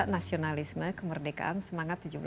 nasionalisme kemerdekaan semangat